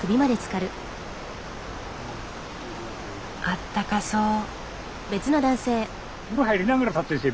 あったかそう。